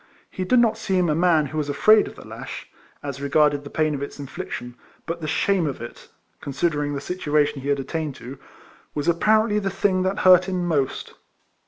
He did not seem a man who was afraid of the lash, as regarded the pain of its infliction, but the shame of it (consider ing the situation he had attained to) was apparently the thing that hurt him most.